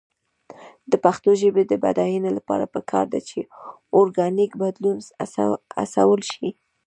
د پښتو ژبې د بډاینې لپاره پکار ده چې اورګانیک بدلون هڅول شي.